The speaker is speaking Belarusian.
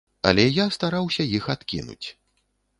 Але я стараўся іх адкінуць.